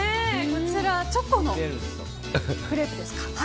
こちら、チョコのクレープですか。